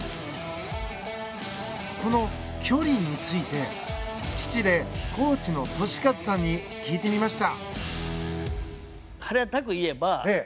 この距離について父でコーチの俊一さんに聞いてみました。